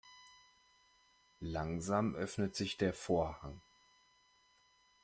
Langsam öffnet sich der Vorhang.